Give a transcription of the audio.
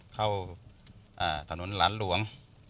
เข้าถนนหลานหลวง